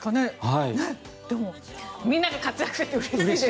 でも、みんなが活躍してうれしいですね。